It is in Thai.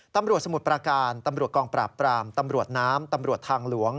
สมุทรประการตำรวจกองปราบปรามตำรวจน้ำตำรวจทางหลวง